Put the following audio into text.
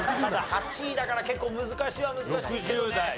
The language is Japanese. ８位だから結構難しいは難しいけどね。